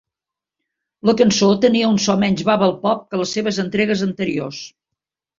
La cançó tenia un so menys "bubble pop" que les seves entregues anteriors.